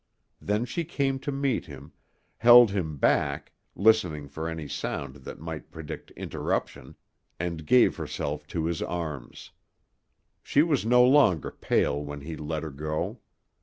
Then she came to meet him, held him back, listening for any sound that might predict interruption, and gave herself to his arms. She was no longer pale when he let her go.